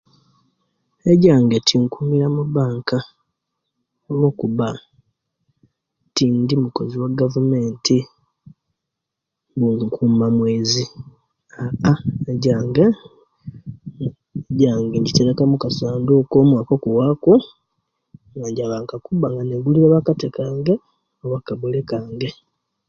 Ejange tinkumira mubanka olwokuba tindimukozi wagavumenti mbu nkuma mwezi aa aa ejange ejange ngitereka mukasanduku omwaka kuwaku njabankakuba nga negulira oba akate kange oba akabuli kange.